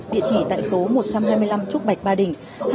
địa chỉ tại số một trăm hai mươi năm trúc bạch ba đình